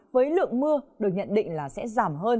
với lượng mưa được nhận định là sẽ giảm hơn